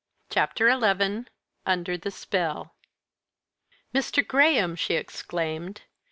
CHAPTER XI UNDER THE SPELL "Mr. Graham!" she exclaimed.